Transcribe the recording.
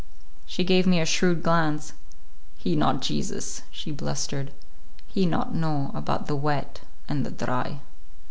She gave me a shrewd glance. "He not Jesus," she blustered; "he not know about the wet and the dry."